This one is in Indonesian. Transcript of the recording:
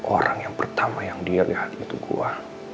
orang yang pertama yang dia lihat itu kuat